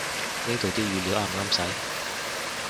呢度啲語料啱唔啱使